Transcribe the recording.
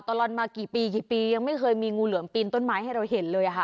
ตลอดมากี่ปีกี่ปียังไม่เคยมีงูเหลือมปีนต้นไม้ให้เราเห็นเลยค่ะ